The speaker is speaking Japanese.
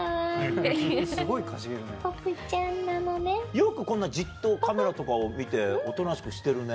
よくこんなじっとカメラとかを見ておとなしくしてるね。